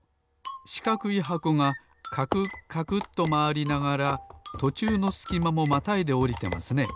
しかくい箱がカクカクとまわりながらとちゅうのすきまもまたいでおりてますね。